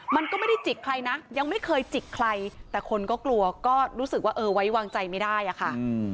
มันก็ไม่ได้จิกใครนะยังไม่เคยจิกใครแต่คนก็กลัวก็รู้สึกว่าเออไว้วางใจไม่ได้อะค่ะ